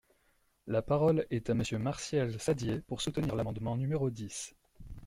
La parole est à Monsieur Martial Saddier, pour soutenir l’amendement numéro dix.